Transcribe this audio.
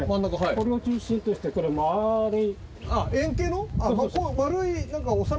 これを中心としてこれ円い。